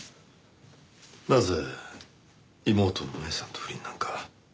なぜ妹の麻衣さんと不倫なんか。